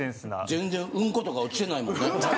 全然うんことか落ちてないもんね。